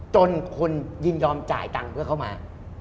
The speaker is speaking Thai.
จนคนยินยอมจ่ายตังค์เพื่อเข้ามา